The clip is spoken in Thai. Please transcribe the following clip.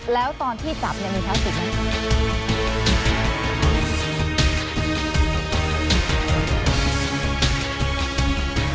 แล้วตอนที่จับเนี่ยมีเท่าสิทธิ์ไหม